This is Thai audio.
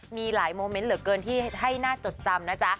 มีหลายโมเมนต์เหลือเกินที่ให้น่าจดจำนะจ๊ะ